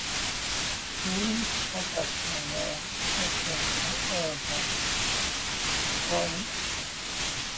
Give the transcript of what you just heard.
His focus is on Islam and Arab politics.